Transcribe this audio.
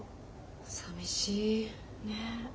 さみしい。ね。